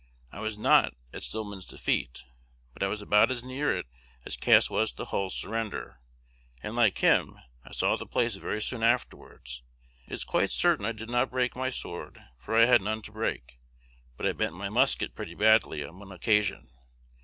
I was not at Stillman's defeat, but I was about as near it as Cass was to Hull's surrender; and, like him, I saw the place very soon afterwards. It is quite certain I did not break my sword, for I had none to break; but I bent my musket pretty badly on one occasion.